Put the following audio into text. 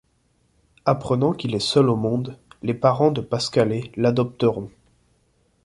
Apprenant qu'il est seul au monde, les parents de Pascalet l'adopteront.